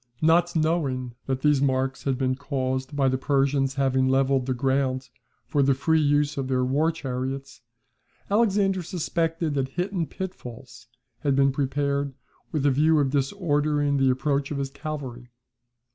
Not knowing that these marks had been caused by the Persians having levelled the ground for the free use of their war chariots, Alexander suspected that hidden pitfalls had been prepared with a view of disordering the approach of his cavalry.